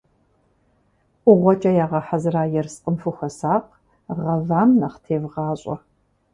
ӀугъуэкӀэ ягъэхьэзыра ерыскъым фыхуэсакъ, гъэвам нэхъ тевгъащӀэ.